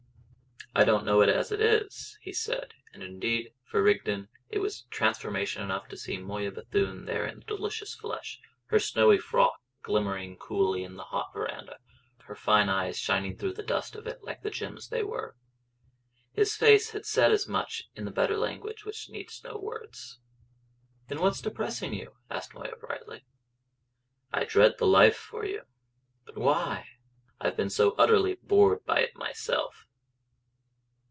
"I don't know it as it is," he said; and indeed for Rigden it was transformation enough to see Moya Bethune there in the delicious flesh, her snowy frock glimmering coolly in the hot verandah, her fine eyes shining through the dust of it like the gems they were. His face said as much in the better language which needs no words. "Then what's depressing you?" asked Moya brightly. "I dread the life for you." "But why?" "I've been so utterly bored by it myself."